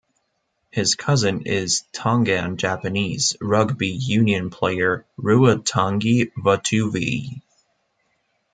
His cousin is Tongan-Japanese rugby union player Ruatangi Vatuvei.